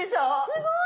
すごい。